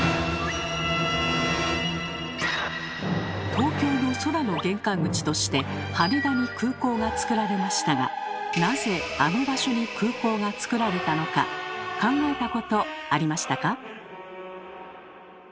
東京の空の玄関口として羽田に空港がつくられましたがなぜあの場所に空港がつくられたのか考えたことありましたか？